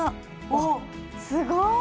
おすごい！